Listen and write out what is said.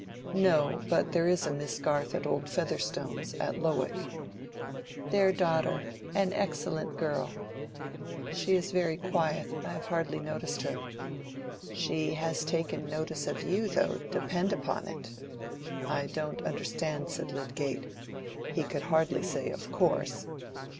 "No; but there is a Miss Garth at old Featherstone's, at Lowick." "Their daughter: an excellent girl." "She is very quiet—I have hardly noticed her." "She has taken notice of you, though, depend upon it." "I don't understand," said Lydgate; he could hardly say "Of course."